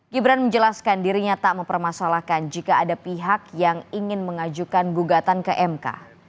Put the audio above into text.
gibran menjelaskan dirinya tak mempermasalahkan jika ada pihak yang ingin mengajukan gugatan ke mk